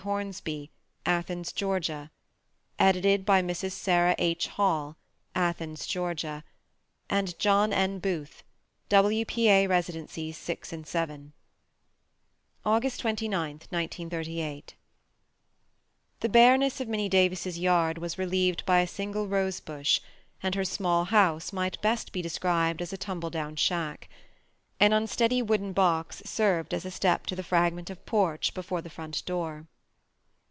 Hornsby Athens, Georgia Edited By: Mrs. Sarah H. Hall Athens, Georgia and John N. Booth WPA Residencies 6 & 7 August 29, 1938 The bareness of Minnie Davis' yard was relieved by a single rosebush, and her small house might best be described as a "tumble down shack." An unsteady wooden box served as a step to the fragment of porch before the front door.